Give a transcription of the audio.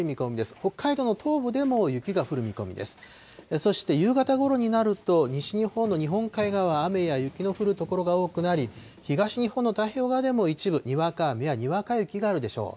そして夕方ごろになると、西日本の日本海側、雨や雪の降る所が多くなり、東日本の太平洋側でも一部、にわか雨やにわか雪があるでしょう。